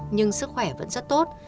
nhưng sức khỏe vẫn rất tốt